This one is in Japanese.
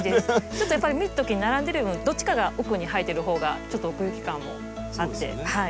ちょっとやっぱり見るときに並んでるよりもどっちかが奥に入ってるほうがちょっと奥行き感もあって。